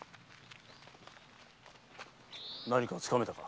何かつかめたか？